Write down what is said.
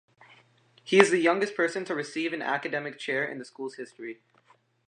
He is the youngest person to receive an academic chair in the school's history.